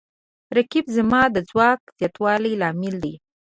رقیب زما د ځواک د زیاتوالي لامل دی